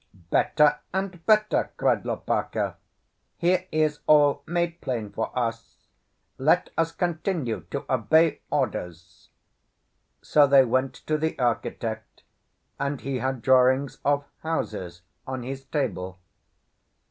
"Better and better!" cried Lopaka. "Here is all made plain for us. Let us continue to obey orders." So they went to the architect, and he had drawings of houses on his table.